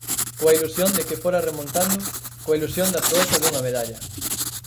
Coa ilusión de que fora remontando, coa ilusión da proeza dunha medalla.